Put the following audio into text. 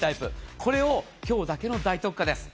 これを今日だけの大特価です。